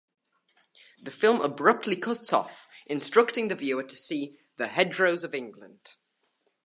The film abruptly cuts off, instructing the viewer to see 'The Hedgerows of England'.